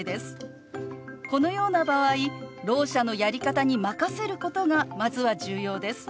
このような場合ろう者のやり方に任せることがまずは重要です。